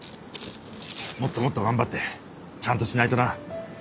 もっともっと頑張ってちゃんとしないとな。